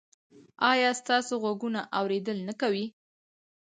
ایا ستاسو غوږونه اوریدل نه کوي؟